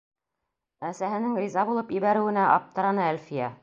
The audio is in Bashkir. Әсәһенең риза булып ебәреүенә аптыраны Әлфиә.